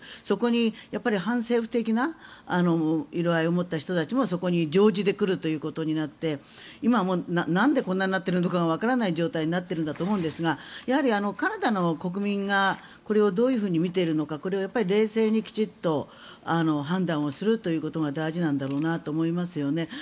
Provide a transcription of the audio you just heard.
そこに反政府的な色合いを持った人たちもそこに乗じてくるということになって今はなんでこんなのになっているのかわからない状態になっているんだと思うんですがカナダの国民がこれをどういうふうに見ているのか冷静にきちんと判断をするということが大事なんだろうなと思いますね。